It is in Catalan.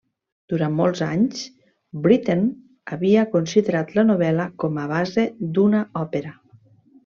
Durant molts anys, Britten havia considerat la novel·la com a base d'una òpera.